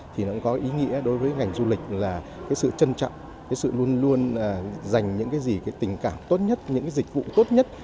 thì nó cũng có ý nghĩa đối với ngành du lịch là cái sự trân trọng cái sự luôn luôn dành những cái gì cái tình cảm tốt nhất những cái dịch vụ tốt nhất